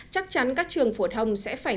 chắc chắn các trường phổ thông sẽ phải